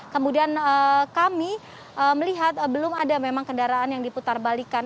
kemudian kami melihat belum ada memang kendaraan yang diputar balikan